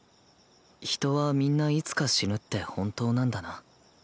人はみんないつか死ぬって本当なんだな。